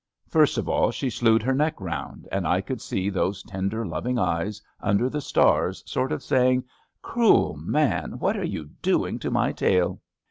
First of all she slewed her neck round, and I could see those tender, loving eyes under the stars sort of saying: ' Cruel manl iWhat are you doing to my tail!